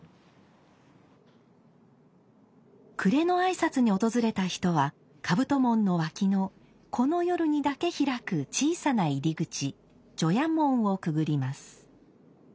暮れの挨拶に訪れた人は兜門の脇のこの夜にだけ開く小さな入り口除夜門をくぐります。